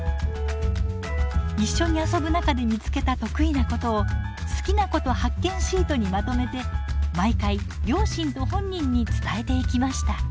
一緒に遊ぶ中で見つけた得意なことを「好きなこと発見シート」にまとめて毎回両親と本人に伝えていきました。